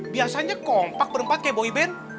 biasanya kompak berempat kayak boyband